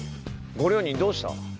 ご両人どうした？